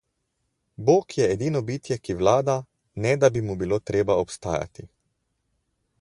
Bog je edino bitje, ki vlada, ne da bi mu bilo treba obstajati.